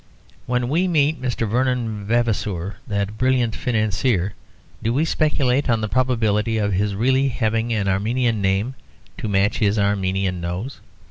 When we meet Mr. Vernon Vavasour, that brilliant financier, do we speculate on the probability of his really having an Armenian name to match his Armenian nose?